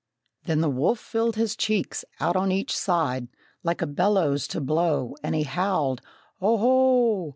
Then the wolf filled his cheeks out on each side, Like a bellows, to blow, And he howled, "O ho!